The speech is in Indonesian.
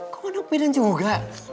kok anak medan juga